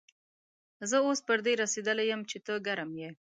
زه اوس پر دې رسېدلی يم چې ته ګرم يې.